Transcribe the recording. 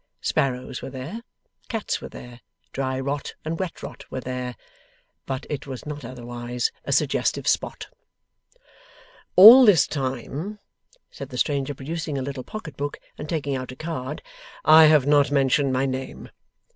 Sparrows were there, cats were there, dry rot and wet rot were there, but it was not otherwise a suggestive spot. 'All this time,' said the stranger, producing a little pocket book and taking out a card, 'I have not mentioned my name.